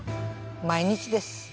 毎日です。